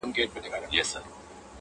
زما لېونۍ و ماته ډېر څه وايي بد څه وايي,